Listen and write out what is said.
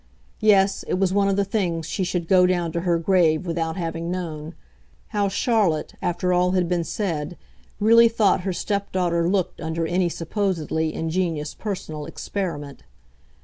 Yes, it was one of the things she should go down to her grave without having known how Charlotte, after all had been said, really thought her stepdaughter looked under any supposedly ingenious personal experiment.